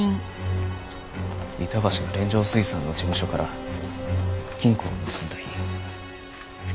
板橋が連城水産の事務所から金庫を盗んだ日。